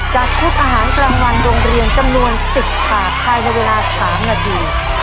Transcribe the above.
จัดชุดอาหารกลางวันโรงเรียนจำนวน๑๐ถาดภายในเวลา๓นาที